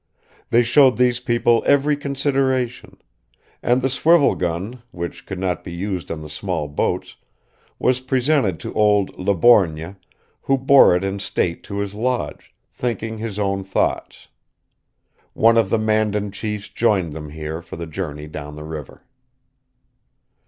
They showed these people every consideration; and the swivel gun, which could not be used on the small boats, was presented to old Le Borgne, who bore it in state to his lodge, thinking his own thoughts. One of the Mandan chiefs joined them here for the journey down the river.